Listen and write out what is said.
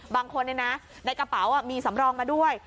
บางคนในกระเป๋ามีสำรองมาด้วย